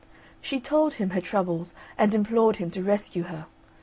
She told him her troubles, and implored him to rescue her.